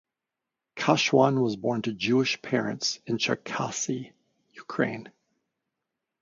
Cashwan was born to Jewish parents in Cherkasy, Ukraine.